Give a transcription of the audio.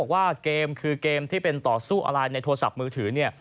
ว่าเกมคือเกมที่เป็นต่อสู้อะไรในโทรศัพท์มือถือเนี่ย